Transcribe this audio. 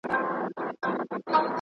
پلان بايد د ټولني له ضرورتونو سره سم وي.